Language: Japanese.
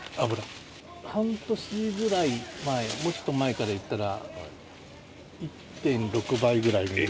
半年ぐらい前、もうちょっと前からいったら、１．６倍ぐらい。